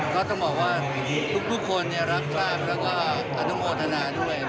ก็ต้องบอกว่าทุกคนรับทราบแล้วก็อนุโมทนาด้วย